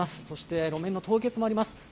そして路面の凍結もあります。